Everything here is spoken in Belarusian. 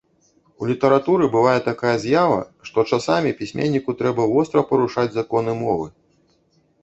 У літаратуры бывае гэтакая з'ява, што часамі пісьменніку трэба востра парушаць законы мовы.